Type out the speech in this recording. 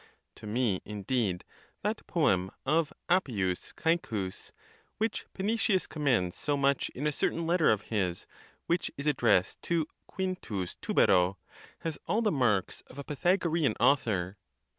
To me, indeed, that poem of Appius Cacus, which Panetius commends so much in a certain letter of his which is addressed to Quintus Tubero, has all the marks of a Pythagorean au thor.